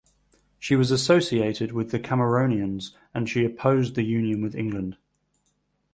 She was associated with the Cameronians and she opposed the union with England.